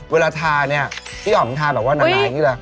เวลาทาเนี่ยพี่อ๋อมทาแบบว่าหนาอย่างนี้เลย